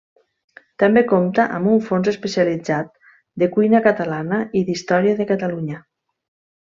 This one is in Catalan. També compta amb un fons especialitzat de cuina catalana i d'història de Catalunya.